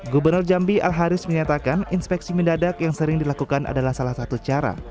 gubernur jambi alharis menyatakan inspeksi minyak dadak yang sering dilakukan adalah salah satu cara